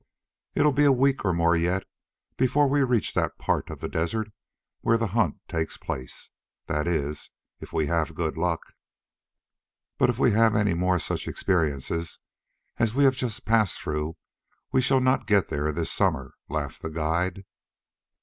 "It will be a week or more yet before we reach that part of the desert where the hunts take place that is, if we have good luck. But if we have any more such experiences as we have just passed through we shall not get there this summer," laughed the guide.